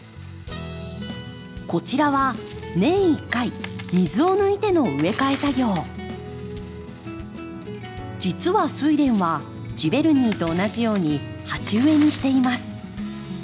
こちらは年１回水を抜いての実はスイレンはジヴェルニーと同じように鉢植えにしています。